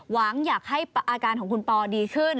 หวังอยากให้อาการของคุณปอดีขึ้น